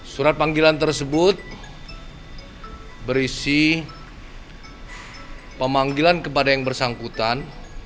surat panggilan tersebut berisi pemanggilan kepada yang bersangkutan